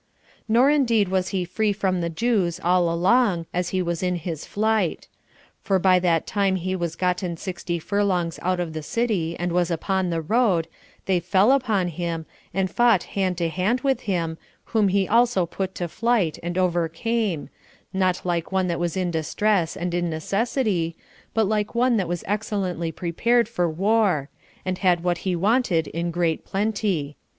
9. Nor indeed was he free from the Jews all along as he was in his flight; for by that time he was gotten sixty furlongs out of the city, and was upon the road, they fell upon him, and fought hand to hand with him, whom he also put to flight, and overcame, not like one that was in distress and in necessity, but like one that was excellently prepared for war, and had what he wanted in great plenty.